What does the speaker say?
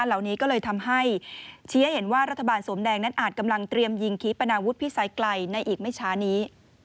เหล่านี้ก็เลยทำให้ชี้ให้เห็นว่ารัฐบาลสวมแดงนั้นอาจกำลังเตรียมยิงขีปนาวุฒิพิสัยไกลในอีกไม่ช้านี้